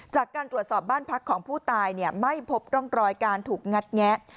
จากการตรวจสอบบ้านพักของผู้ตายไม่พบร่องรอยการถูกงัดแงะ